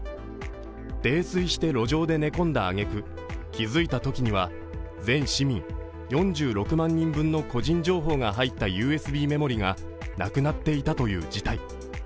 泥酔して路上で寝込んだあげく気づいたときには全市民４６万人分の個人情報が入ったＵＳＢメモリがなくなっていたという事態。